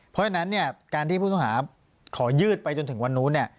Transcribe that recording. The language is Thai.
เพราะฉะนั้นการที่ผู้ต้องหาขอยืดไปจนถึงวันนู้น